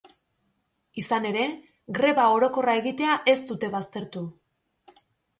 Izan ere, greba orokorra egitea ez dute baztertu.